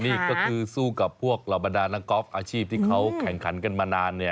นี่ก็คือสู้กับพวกเราบรรดานักกอล์ฟอาชีพที่เขาแข่งขันกันมานานเนี่ย